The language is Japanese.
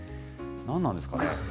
何なんですかね。